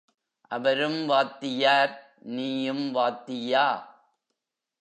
அவரும் வாத்தியார், நீயும் வாத்தியா?